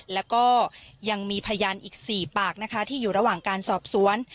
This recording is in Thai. แล้วก็ยังมีพยานอีก๔ปากนะคะที่อยู่ระหว่างการสอบสวน